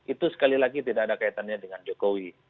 itu sekali lagi tidak ada kaitannya dengan jokowi